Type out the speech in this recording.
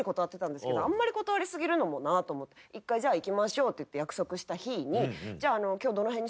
あんまり断り過ぎるのもなと思って１回じゃあ行きましょうって言って約束した日にじゃあ今日。